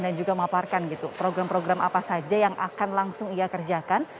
dan juga memaparkan program program apa saja yang akan langsung ia kerjakan